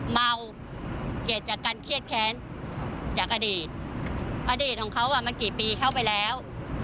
เมาเกิดจากการเครียดแค้นจากอดีตอดีตของเขามันกี่ปีเข้าไปแล้ว